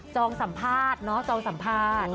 องสัมภาษณ์เนาะจองสัมภาษณ์